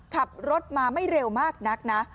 ขับรถมาไม่เร็วมากนักนะ